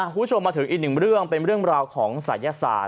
คุณผู้ชมมาถึงอีกหนึ่งเรื่องเป็นเรื่องราวของศัยศาสต